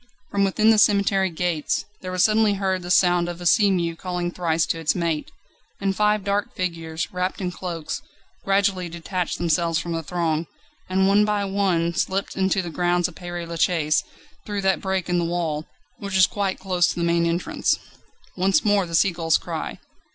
From within the cemetery gates, there was suddenly heard the sound of a sea mew calling thrice to its mate. And five dark figures, wrapped in cloaks, gradually detached themselves from the throng, and one by one slipped into the grounds of Père Lachaise through that break in the wall, which is quite close to the main entrance. Once more the sea gull's cry.